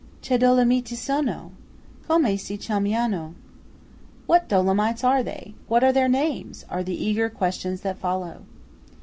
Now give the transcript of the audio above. "Che Dolomiti sono? Come si chiamano?" (What Dolomites are they? What are their names?) are the eager questions that follow.